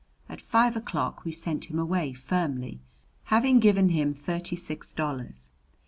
At five o'clock we sent him away firmly, having given him thirty six dollars.